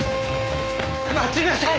待ちなさい。